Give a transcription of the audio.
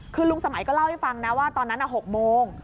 คือลุงสมัยก็เล่าให้ฟังนะว่าตอนนั้น๖โมง